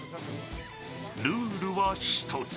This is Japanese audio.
ルールは１つ。